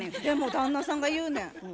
でも旦那さんが言うねん。